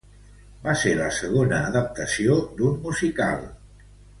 Va ser la segona adaptació d'un musical.